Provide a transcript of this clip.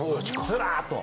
ずらっと。